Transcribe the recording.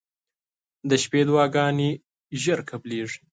• د شپې دعاګانې زر قبلېږي.